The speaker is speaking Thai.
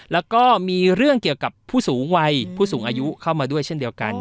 แล้วก็มีเรื่องเกี่ยวกับผู้สูงวัยผู้สูงอายุเข้ามาด้วยเช่นเดียวกัน